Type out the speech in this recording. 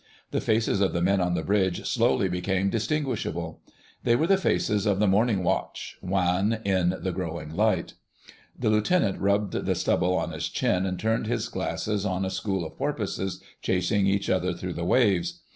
The faces of the men on the bridge slowly became distinguishable. They were the faces of the Morning Watch, wan in the growing light. The Lieutenant rubbed the stubble on his chin and turned his glasses on a school of porpoises chasing each other through the waves.